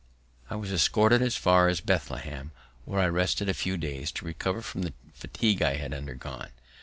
I was escorted as far as Bethlehem, where I rested a few days to recover from the fatigue I had undergone.